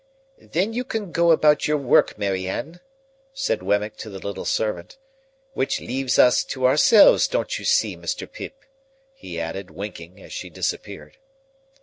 "Then you can go about your work, Mary Anne," said Wemmick to the little servant; "which leaves us to ourselves, don't you see, Mr. Pip?" he added, winking, as she disappeared.